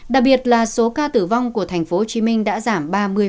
đặc biệt là số ca tử vong của tp hcm đã giảm ba mươi